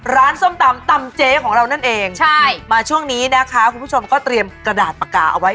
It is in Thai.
ส้มตำตำเจ๊ของเรานั่นเองใช่มาช่วงนี้นะคะคุณผู้ชมก็เตรียมกระดาษปากกาเอาไว้